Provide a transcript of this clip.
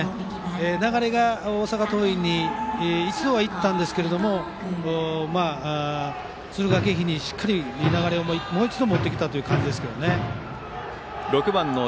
流れが大阪桐蔭に一度はいったんですけど敦賀気比にしっかり流れをもう一度持ってきた感じです。